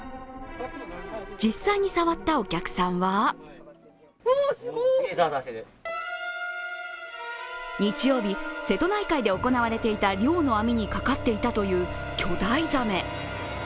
実際に触ったお客さんは日曜日、瀬戸内海で行われていた漁の網にかかっていたという巨大ザメ。